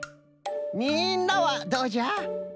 みんなはどうじゃ？